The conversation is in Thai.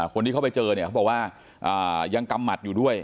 คนที่เขาไปเจอเนี่ยเขาบอกว่ายังกำหมัดอยู่ด้วย